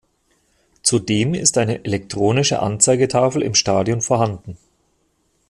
Zudem ist eine elektronische Anzeigetafel im Stadion vorhanden.